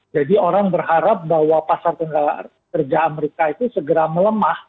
jadi orang berharap bahwa pasar tengah kerja amerika itu segera melemah